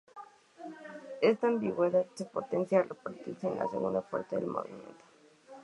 Está ambigüedad se potencia al repetirse en la segunda parte del movimiento.